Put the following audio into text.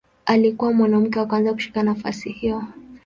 Alikuwa mwanamke wa kwanza kushika nafasi hiyo.